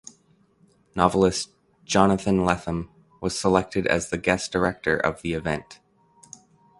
Novelist Jonathan Lethem was selected as the guest director of the event.